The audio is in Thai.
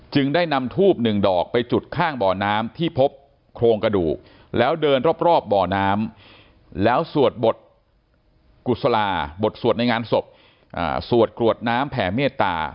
ได้นำทูบหนึ่งดอกไปจุดข้างบ่อน้ำที่พบโครงกระดูกแล้วเดินรอบบ่อน้ำแล้วสวดบทกุศลาบทสวดในงานศพสวดกรวดน้ำแผ่เมตตา